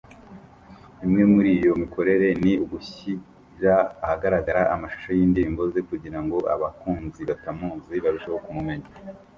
Imwe muri iyo mikorere ni ugushyira ahagaragara amashusho y’indirimbo ze kugirango abakunzi batamuzi barusheho kumumenya